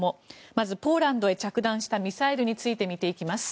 まず、ポーランドへ着弾したミサイルについて見ていきます。